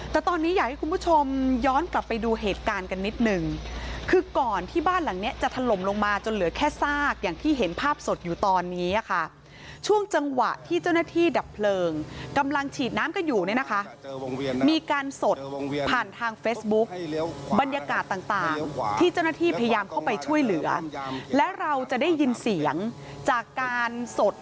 แต่ตอนนี้อยากให้คุณผู้ชมย้อนกลับไปดูเหตุการณ์กันนิดนึงคือก่อนที่บ้านหลังเนี้ยจะถล่มลงมาจนเหลือแค่ซากอย่างที่เห็นภาพสดอยู่ตอนนี้ค่ะช่วงจังหวะที่เจ้าหน้าที่ดับเพลิงกำลังฉีดน้ำกันอยู่เนี่ยนะคะมีการสดผ่านทางเฟซบุ๊คบรรยากาศต่างที่เจ้าหน้าที่พยายามเข้าไปช่วยเหลือและเราจะได้ยินเสียงจากการสด